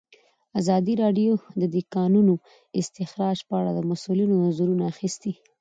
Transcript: ازادي راډیو د د کانونو استخراج په اړه د مسؤلینو نظرونه اخیستي.